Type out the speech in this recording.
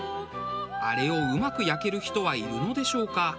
あれをうまく焼ける人はいるのでしょうか？